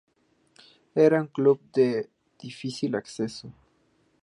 Era un club de difícil acceso.